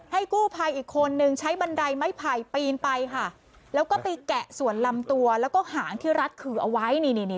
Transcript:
กู้ภัยอีกคนนึงใช้บันไดไม้ไผ่ปีนไปค่ะแล้วก็ไปแกะส่วนลำตัวแล้วก็หางที่รัดขื่อเอาไว้นี่นี่